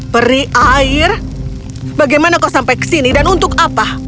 peri air bagaimana kau sampai ke sini dan untuk apa